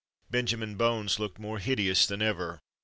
Benjamin Bones looked more hideous than ever.